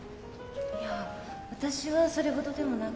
いやあたしはそれほどでもなくて